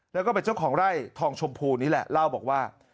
แล้วก็เป็นเจ้าของไร่ทองชมพูนี่แหละเล่าบอกว่า